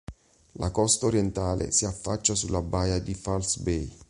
La costa orientale si affaccia sulla baia di False Bay.